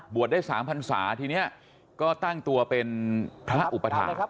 ได้๓พันศาทีนี้ก็ตั้งตัวเป็นพระอุปถาค